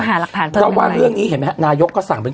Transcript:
จะหาหลักฐานเพราะว่าเรื่องไหนเห็นน่ะนายก็สั่งเป็น